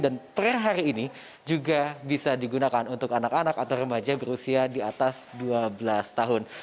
dan per hari ini juga bisa digunakan untuk anak anak atau remaja berusia di atas dua belas tahun